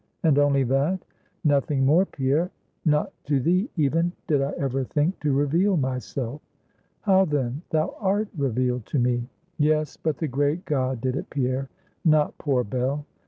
"And only that?" "Nothing more, Pierre; not to thee even, did I ever think to reveal myself." "How then? thou art revealed to me." "Yes; but the great God did it, Pierre not poor Bell.